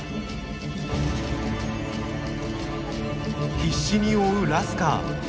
必死に追うラスカー。